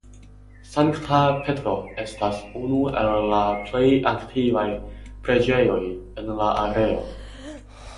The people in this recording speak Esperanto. Sankta Petro estas unu el la plej antikvaj preĝejoj en la areo.